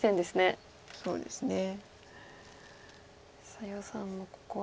さあ余さんもここは。